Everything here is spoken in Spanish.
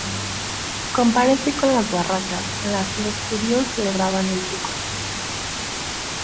Compárese con las "barracas" en las que los judíos celebraban el Sucot.